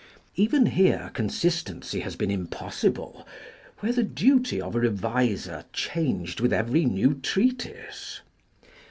Even here consistency has been impossible, where the duty of a reviser changed with every new treatise.